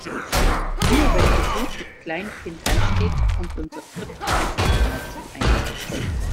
Immer wenn Besuch mit Kleinkind ansteht, kommt unser Tripp-Trapp noch mal zum Einsatz.